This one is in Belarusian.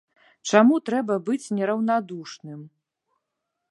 Чаму трэба быць нераўнадушным?